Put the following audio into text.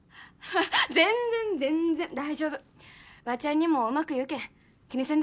全然全然大丈夫ばーちゃんにもうまく言うけん気にせんで